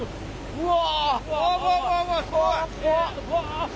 うわ。